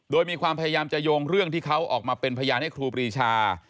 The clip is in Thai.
โดยมีความพยายามจะโยงเรื่องที่เขาออกมาเป็นพยานให้ครูปรีชา